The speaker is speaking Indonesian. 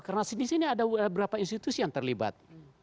karena di sini ada beberapa institusi yang terlibat